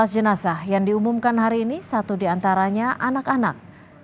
sebelas jenazah yang diumumkan hari ini satu diantaranya anak anak